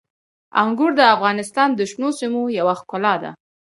انګور د افغانستان د شنو سیمو یوه ښکلا ده.